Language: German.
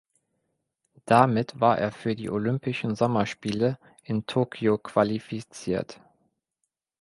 Damit war er für die Olympischen Sommerspiele in Tokio qualifiziert.